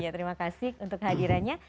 terima kasih untuk hadirannya